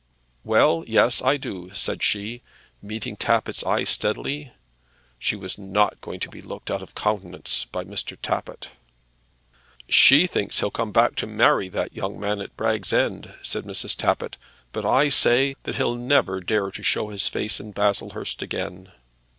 "Well, yes; I do," said she, meeting Tappitt's eye steadily. She was not going to be looked out of countenance by Mr. Tappitt. "She thinks he'll come back to marry that young woman at Bragg's End," said Mrs. Tappitt; "but I say that he'll never dare to show his face in Baslehurst again."